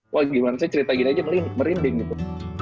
wah gimana saya cerita gini aja merinding gitu